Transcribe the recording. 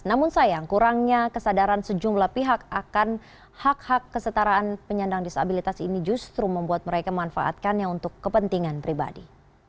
namun sayang kurangnya kesadaran sejumlah pihak akan hak hak kesetaraan penyandang disabilitas ini justru membuat mereka manfaatkannya untuk kepentingan pribadi